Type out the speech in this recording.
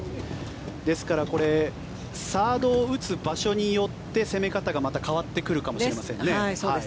ですからサードを打つ場所によって攻め方がまた変わってくるかもしれませんね。